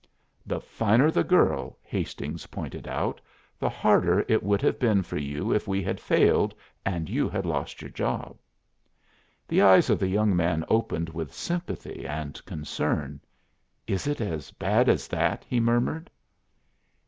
"The finer the girl," Hastings pointed out, "the harder it would have been for you if we had failed and you had lost your job." The eyes of the young man opened with sympathy and concern. "Is it as bad as that?" he murmured.